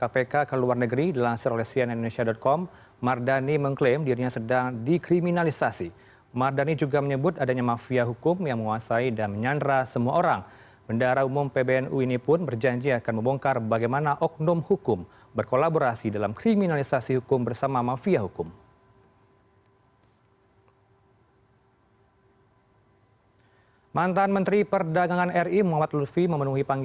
pada saat ini pdip telah mengajukan permohonan penyidikan yang saat ini sedang kpk lakukan